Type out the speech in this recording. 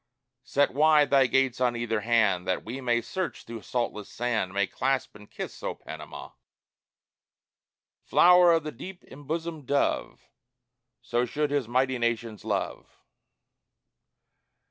Set wide thy gates on either hand, That we may search through saltless sand May clasp and kiss, O Panama!" (Flower of the deep embosomed dove, So should his mighty nations love.)